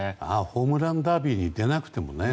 ホームランダービーに出なくてもね。